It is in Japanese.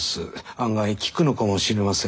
案外効くのかもしれません。